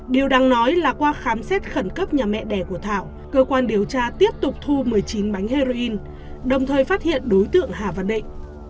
điều đáng nói là qua khám xét khẩn cấp nhà mẹ đẻ của thảo cơ quan điều tra tiếp tục thu một mươi chín bánh heroin đồng thời phát hiện đối tượng hà văn định